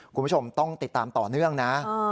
คุณผู้ชมต้องติดตามต่อเนื่องนะ